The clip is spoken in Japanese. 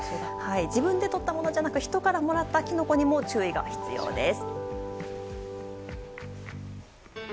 自分でとったものじゃなく人からもらったキノコにも注意が必要です。。